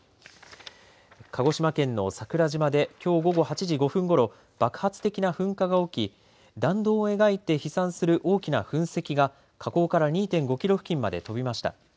鹿児島県の桜島できょう午後８時５分ごろ爆発的な噴火が起き、弾道を描いて飛散する大きな噴石か火口から２．５キロ付近まで飛びました。